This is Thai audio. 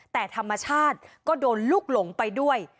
แต่ธรรมชาติก็โดนลูกหลงไปด้วย